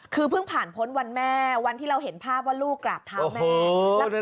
คือเพิ่งผ่านพ้นวันแม่วันที่เราเห็นภาพว่าลูกกราบเท้าแม่